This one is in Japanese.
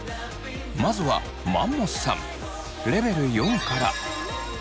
まずはマンモスさんレベル４から３に！